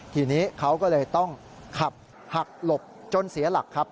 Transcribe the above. ทีนี้เขาก็เลยต้องขับหักหลบจนเสียหลักครับ